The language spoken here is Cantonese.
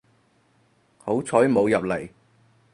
好彩冇入嚟